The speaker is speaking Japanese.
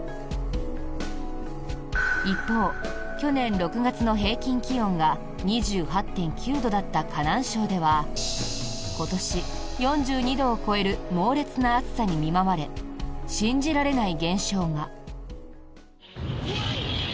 一方、去年６月の平均気温が２８．９度だった河南省では今年、４２度を超える猛烈な暑さに見舞われ信じられない現象が。